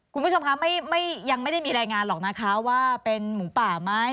คุณผู้ชมคะยังไม่ได้มีรายงานหรอกนะคะว่าเป็นหมูป่าไหม